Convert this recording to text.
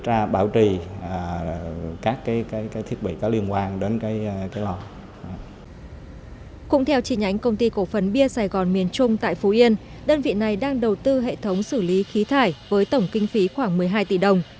trong năm hai nghìn một mươi tám công ty cổ phấn bia sài gòn miền trung tại phú yên đơn vị này đang đầu tư hệ thống xử lý khí thải với tổng kinh phí khoảng một mươi hai tỷ đồng